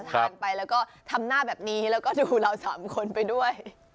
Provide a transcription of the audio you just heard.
ทานไปแล้วก็ทำหน้าแบบนี้แล้วก็ดูเรา๓คนไปด้วย